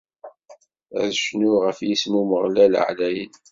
Ad cnuɣ ɣef yisem n Umeɣlal ɛlayen.